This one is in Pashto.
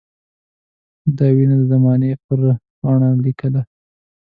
دا وينا د زمانې پر پاڼه ليکله.